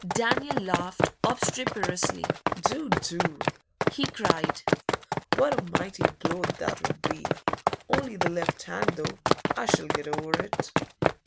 Daniel laughed obstreperously. 'Do! do!' he cried. 'What a mighty blow that 'ud be! Only the left hand, though. I shall get over it.